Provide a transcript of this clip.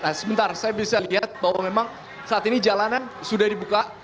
nah sebentar saya bisa lihat bahwa memang saat ini jalanan sudah dibuka